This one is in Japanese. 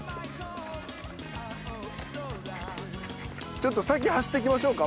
ちょっと先走っていきましょうか？